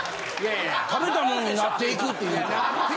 食べたもんになっていくって言うて。